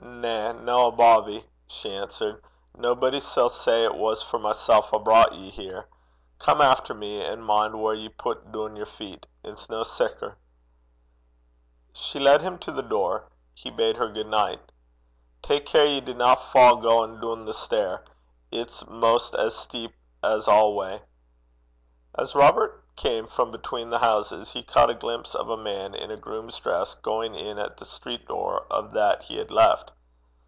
'Na no a baubee,' she answered. 'Nobody sall say it was for mysel' I broucht ye here. Come efter me, an' min' whaur ye pit doon yer feet. It's no sicker.' She led him to the door. He bade her good night. 'Tak care ye dinna fa' gaein' doon the stair. It's maist as steep 's a wa'.' As Robert came from between the houses, he caught a glimpse of a man in a groom's dress going in at the street door of that he had left.